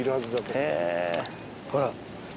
ほら。